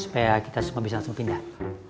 supaya kita semua bisa langsung pindah